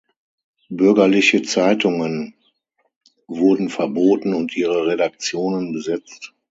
Bürgerliche Zeitungen wurden verboten und ihre Redaktionen besetzt.